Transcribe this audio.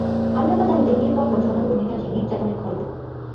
আরও টাকার দাবিতে বিয়ের পরপর ঝর্ণার ওপর নেমে আসে নির্যাতনের খড়্গ।